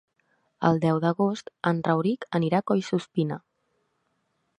El deu d'agost en Rauric anirà a Collsuspina.